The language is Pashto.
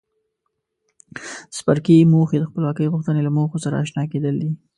د څپرکي موخې د خپلواکۍ غوښتنې له موخو سره آشنا کېدل دي.